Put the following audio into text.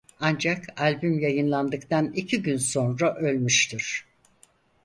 Ancak albüm yayınlandıktan iki gün sonra ölmüştür.